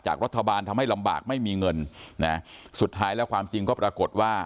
รัฐบาลทำให้ลำบากไม่มีเงินนะสุดท้ายแล้วความจริงก็ปรากฏว่า